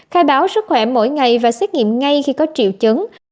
khai báo sức khỏe mỗi ngày và xét nghiệm ngay khi có triệu chứng